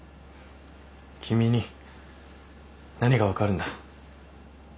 君に何が分かるんだ。